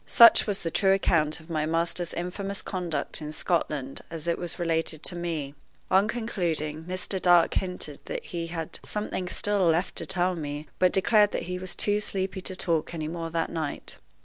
Such was the true account of my master's infamous conduct in Scotland as it was related to me. On concluding, Mr. Dark hinted that he had something still left to tell me, but declared that he was too sleepy to talk any more that night.